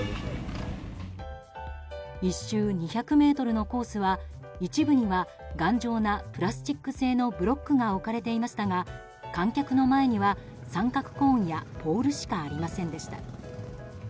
１周２００ｍのコースは一部には頑丈なプラスチック製のブロックが置かれていましたが観客の前には、三角コーンやポールしかありませんでした。